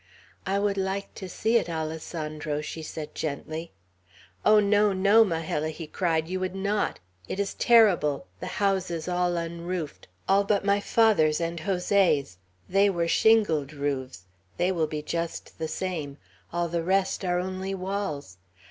"I would like to see it, Alessandro," she said gently. "Oh, no, no, Majella!" he cried; "you would not. It is terrible; the houses all unroofed, all but my father's and Jose's. They were shingled roofs; they will be just the same; all the rest are only walls.